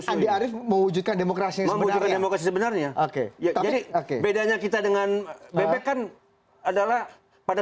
andi arief mewujudkan demokrasi sebenarnya oke oke bedanya kita dengan bebek kan adalah pada